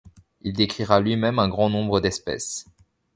Il décrira lui-même un grand nombre d'espèces.